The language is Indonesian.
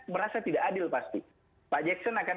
merasa tidak adil pasti pak jackson akan